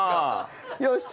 よし！